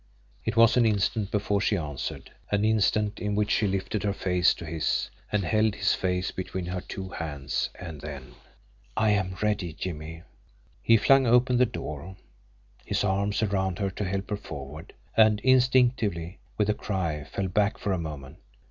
It was an instant before she answered, an instant in which she lifted her face to his, and held his face between her two hands and then: "I am ready, Jimmie." He flung open the door, his arm around her to help her forward and instinctively, with a cry, fell back for a moment.